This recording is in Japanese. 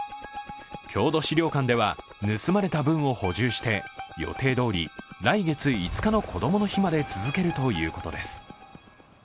郷土資料館では盗まれた分を補充して予定どおり、来月５日のこどもの日まで続けるということです。